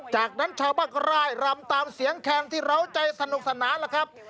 จากนั้นชาวบ้านก็ร่ายรำตามเสียงแข่งที่เราใจสนุกสนานล่ะครับ